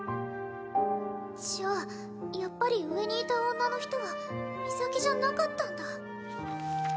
じゃあやっぱり上にいた女の人はミサキじゃなかったんだ